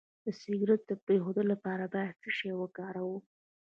د سګرټ د پرېښودو لپاره باید څه شی وکاروم؟